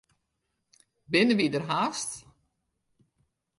Binne wy der hast?